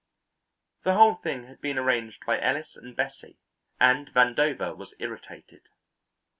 The whole thing had been arranged by Ellis and Bessie, and Vandover was irritated.